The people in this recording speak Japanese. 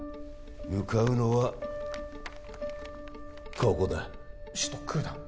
向かうのはここだ首都クーダン